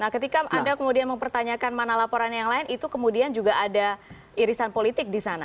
nah ketika anda kemudian mempertanyakan mana laporan yang lain itu kemudian juga ada irisan politik di sana